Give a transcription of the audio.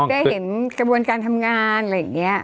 ได้เห็นกระบวนการทำงานอะไรอย่างนี้